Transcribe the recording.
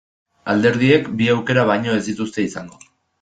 Alderdiek bi aukera baino ez dituzte izango.